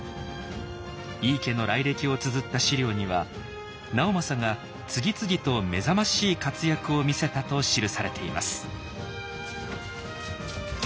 井伊家の来歴をつづった史料には直政が次々と目覚ましい活躍を見せたと記されています。